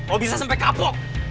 kalau bisa sampe kapok